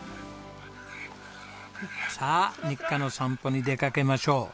さあ日課の散歩に出掛けましょう。